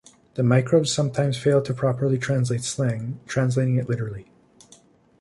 The microbes sometimes fail to properly translate slang, translating it literally.